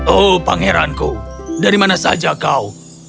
oh pangeranku dari mana saja kau